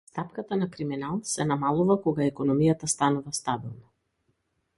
Стапката на криминал се намалува кога економијата станува стабилна.